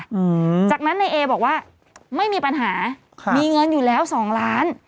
อืมจากนั้นในเอบอกว่าไม่มีปัญหาครับมีเงินอยู่แล้วสองล้าน